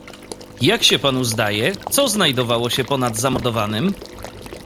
"Jak się panu zdaje, co znajdowało się ponad zamordowanym?"